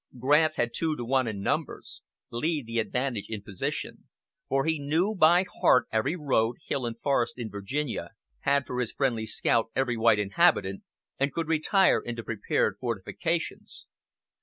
Grant had two to one in numbers; Lee the advantage in position, for he knew by heart every road, hill and forest in Virginia, had for his friendly scout every white inhabitant, and could retire into prepared fortifications.